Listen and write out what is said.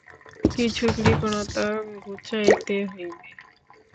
কিন্তু কৃপণতা ঘুচাইতে হইবে।